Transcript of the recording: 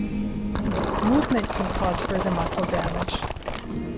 Movement can cause further muscle damage.